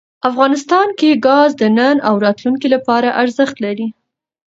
افغانستان کې ګاز د نن او راتلونکي لپاره ارزښت لري.